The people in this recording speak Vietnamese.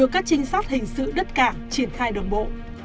và chính xác hình sự đất cảng triển khai đồng bộ